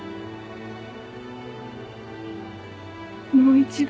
もう一度。